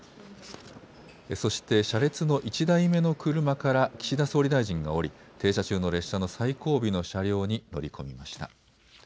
そして車列の１台目の車から岸田総理大臣が降り停車中の列車の最後尾の車両に乗り込みました。